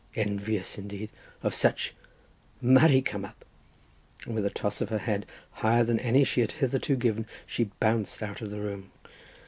Envious, indeed, of such. Marry come up!" and with a toss of her head, higher than any she had hitherto given, she bounced out of the room.